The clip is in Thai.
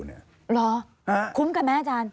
เหรอคุ้มกันไหมอาจารย์